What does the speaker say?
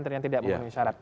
ternyata tidak memiliki syarat